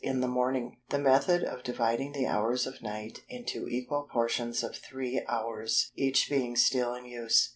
in the morning, the method of dividing the hours of night into equal portions of three hours each being still in use.